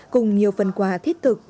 cùng nhiều phần quà thiết thực